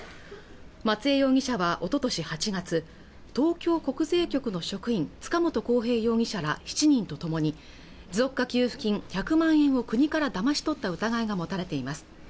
松江容疑者はおととし８月東京国税局の職員塚本晃平容疑者ら７人と共に持続化給付金１００万円を国からだまし取った疑いが持たれています